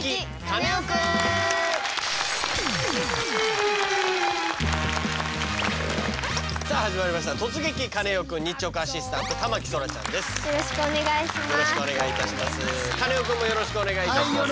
カネオくんもよろしくお願いいたします。